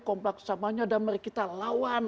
kompak sesamanya dan mari kita lawan